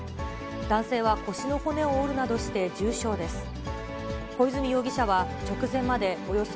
男性は腰の骨を折るなどして重傷です。